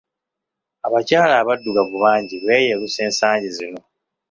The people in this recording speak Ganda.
Abakyala abaddugavu bangi beeyerusa ensangi zino.